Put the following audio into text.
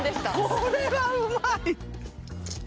これはうまい！